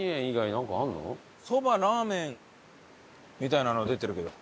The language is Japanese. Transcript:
「そばラーメン」みたいなの出てるけど。